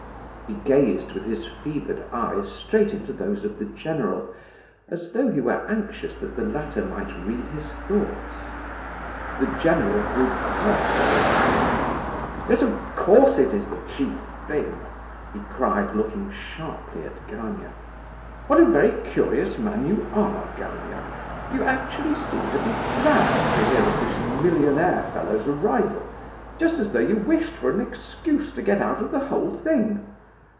He gazed with his fevered eyes straight into those of the general, as though he were anxious that the latter might read his thoughts. The general grew purple with anger. "Yes, of course it is the chief thing!" he cried, looking sharply at Gania. "What a very curious man you are, Gania! You actually seem to be glad to hear of this millionaire fellow's arrival—just as though you wished for an excuse to get out of the whole thing.